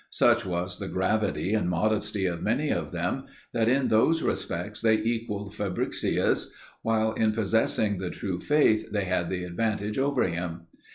Such was the gravity and modesty of many of them, that in those respects they equalled Fabricius, while, in possessing the true faith, they had the advantage over him.